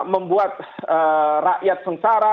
membuat rakyat sengsara